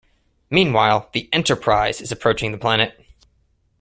Meanwhile, the "Enterprise" is approaching the planet.